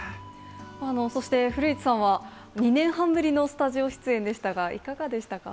そして古市さんは、２年半ぶりのスタジオ出演でしたが、いかがでしたか。